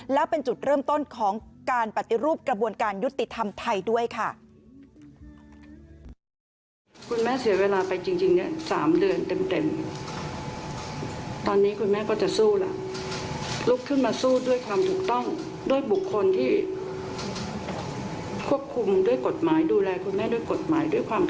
แล้วเป็นจุดเริ่มต้นของการปฏิรูปกระบวนการยุติธรรมไทยด้วยค่ะ